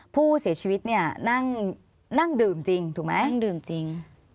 ผู้เสียชีวิตเนี่ยนั่งดื่มจริงถูกไหมนั่งดื่มจริง